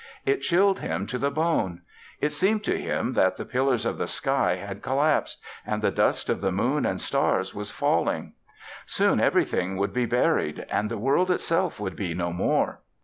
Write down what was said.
It chilled him to the bone. It seemed to him that the pillars of the sky had collapsed and the dust of the moon and stars was falling. Soon everything would be buried and the world itself would be no more.